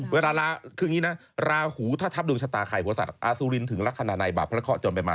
เวลาลาคืออย่างงี้นะลาหูถ้าทับดวงชะตาไข่ผู้ทรัพย์อาซูลินถึงลักษณะในบาปและข้อจนไปมา